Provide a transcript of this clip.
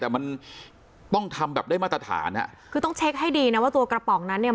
แต่มันต้องทำแบบได้มาตรฐานอ่ะคือต้องเช็คให้ดีนะว่าตัวกระป๋องนั้นเนี่ย